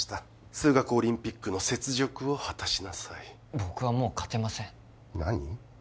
数学オリンピックの雪辱を果たしなさい僕はもう勝てません何？